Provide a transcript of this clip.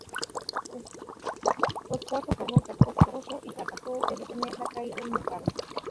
Su esfuerzo probó ser costoso y fracasó en detener la caída del mercado.